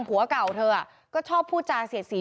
ผัวเก่าเธอก็ชอบพูดจาเสียดสี